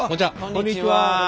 こんにちは。